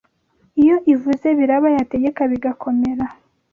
Iyo ivuze biraba yategeka bigakomera